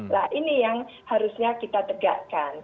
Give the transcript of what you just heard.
nah ini yang harusnya kita tegakkan